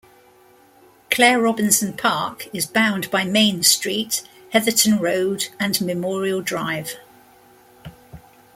Claire Robinson park is bound by Main street, Heatherton Road and Memorial Drive.